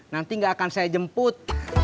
nanti gak akan saya jemput